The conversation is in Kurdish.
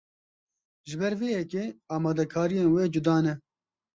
Ji ber vê yekê amadekariyên wê cuda ne.